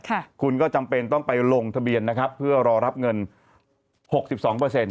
ค่ะคุณก็จำเป็นต้องไปลงทะเบียนนะครับเพื่อรอรับเงินหกสิบสองเปอร์เซ็น